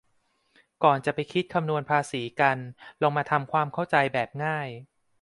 ก่อนจะไปคิดคำนวณภาษีกันลองมาทำความเข้าใจแบบง่าย